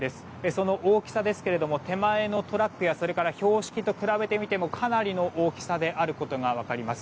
その大きさですが、手前のトラックや標識と比べてみてもかなりの大きさであることが分かります。